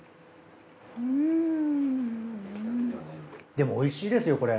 でもおいしいですよこれ。